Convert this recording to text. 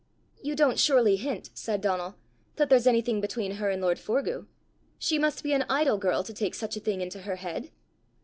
"You don't surely hint," said Donal, "that there's anything between her and lord Forgue? She must be an idle girl to take such a thing into her head!"